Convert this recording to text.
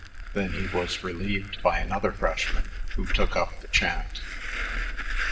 Then he was relieved by another freshman, who took up the chant.